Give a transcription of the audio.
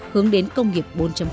hướng đến công nghiệp bốn